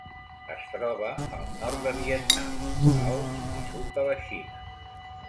Es troba al nord de Vietnam, Laos i sud de la Xina.